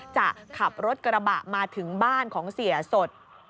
จะขับรถกระบะมาถึงบ้านของเสียสด